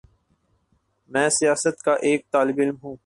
میں سیاست کا ایک طالب علم ہوں۔